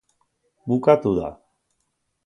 Bukatu da.